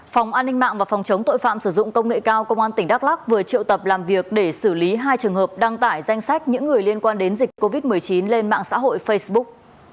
phòng an ninh mạng và phòng chống tội phạm sử dụng công nghệ cao công an tỉnh đắk lắc vừa triệu tập làm việc để xử lý hai trường hợp đăng tải danh sách những người liên quan đến dịch covid một mươi chín lên mạng xã hội facebook